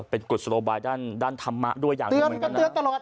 เป็นกุศโลบายด้านธรรมะด้วยอย่างหนึ่งเหมือนกันนะ